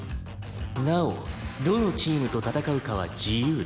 「なおどのチームと戦うかは自由だ」